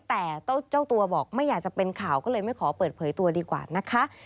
แต่เจ้าตัวบอกไม่อยากจะเป็นข่าวก็เลยไม่ขอเปิดเผยตัวดีกว่านะคะ